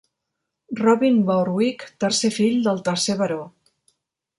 Robin Borwick, tercer fill del tercer baró.